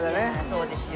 そうですよ。